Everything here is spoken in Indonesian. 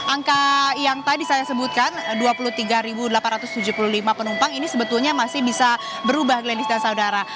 angka yang tadi saya sebutkan dua puluh tiga delapan ratus tujuh puluh lima penumpang ini sebetulnya masih bisa berubah lady dan saudara